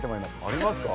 ありますか？